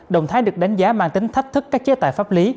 động thái được đánh giá mang tính thách thức các chế tài pháp lý